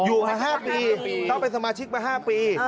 อยู่มา๕ปีต้องเป็นสมาชิกมา๕ปี